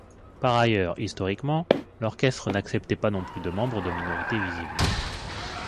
Par ailleurs, historiquement, l'orchestre n'acceptait pas non plus de membres de minorités visibles.